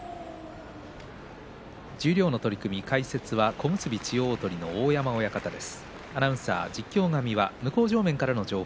十両の取組解説は元千代鳳の大山親方です。